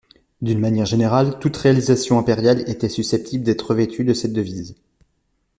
D'une manière générale, toute réalisation impériale était susceptible d'être revêtue de cette devise.